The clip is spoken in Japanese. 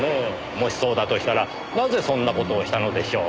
もしそうだとしたらなぜそんな事をしたのでしょう。